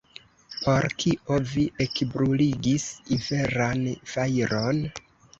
Por kio vi ekbruligis inferan fajron?